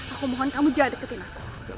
aku mohon kamu jangan deketin aku